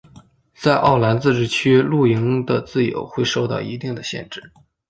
在奥兰自治区露营的自由会受到一定的限制。